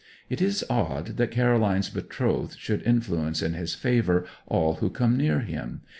It is odd that Caroline's betrothed should influence in his favour all who come near him.